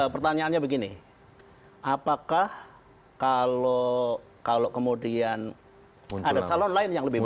pertanyaannya begini apakah kalau kemudian ada calon lain yang lebih baik